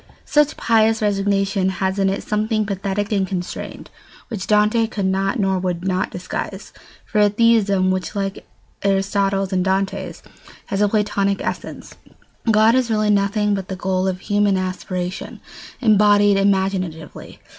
] Such pious resignation has in it something pathetic and constrained, which Dante could not or would not disguise. For a theism which, like Aristotle's and Dante's, has a Platonic essence, God is really nothing but the goal of human aspiration embodied imaginatively.